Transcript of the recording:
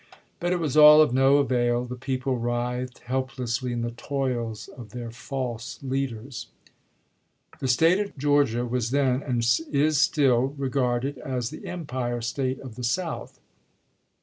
But it was all of no avail ; the people writhed helplessly in the toils of their false leaders. The State of Georgia was then, and is still, regarded as the Empire State of the South.